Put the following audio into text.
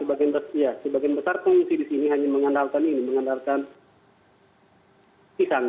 sebagian besar pengungsi di sini hanya mengandalkan ini mengandalkan pisang